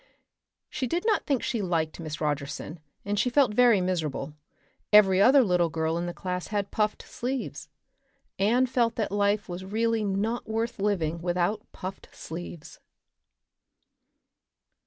She did not think she liked Miss Rogerson, and she felt very miserable; every other little girl in the class had puffed sleeves. Anne felt that life was really not worth living without puffed sleeves.